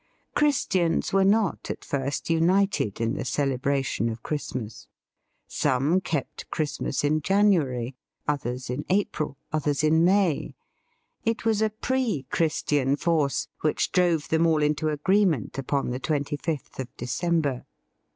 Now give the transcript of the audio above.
♦ Christians were not, at first, united in the celebration of Christmas. Some kept Christmas in January, others in April, others in May. It was a pre Christian force which drove them all into agreement upon the twenty fifth of December.